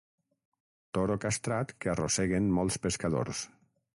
Toro castrat que arrosseguen molts pescadors.